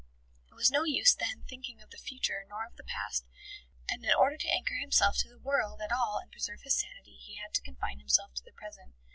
It was no use then thinking of the future nor of the past, and in order to anchor himself to the world at all and preserve his sanity he had to confine himself to the present.